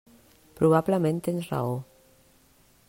Probablement tens raó.